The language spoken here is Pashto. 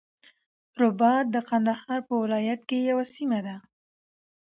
رباط د قندهار په ولایت کی یوه سیمه ده.